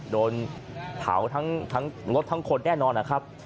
โดนเผารถทั้งคนแน่นอน